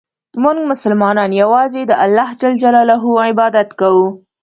مونږ مسلمانان یوازې د یو الله ج عبادت کوو.